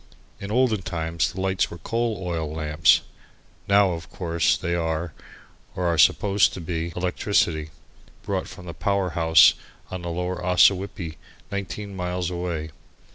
In olden times the lights were coal oil lamps; now, of course, they are, or are supposed to be, electricity, brought from the power house on the lower Ossawippi nineteen miles away.